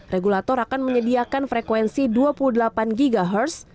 regulator akan menyediakan frekuensi dua puluh delapan ghz